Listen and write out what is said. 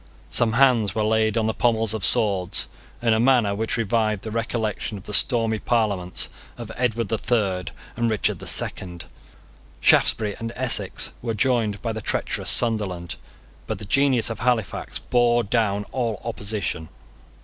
Some hands were laid on the pommels of swords in a manner which revived the recollection of the stormy Parliaments of Edward the Third and Richard the Second. Shaftesbury and Essex were joined by the treacherous Sunderland. But the genius of Halifax bore down all opposition.